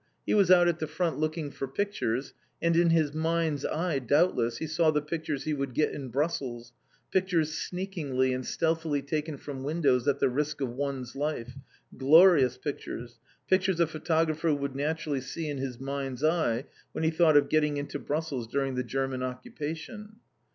He was out at the front looking for pictures, and in his mind's eye, doubtless, he saw the pictures he would get in Brussels, pictures sneakingly and stealthily taken from windows at the risk of one's life, glorious pictures, pictures a photographer would naturally see in his mind's eye when he thought of getting into Brussels during the German occupation.